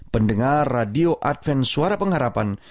pendengar radio adven suara pengharapan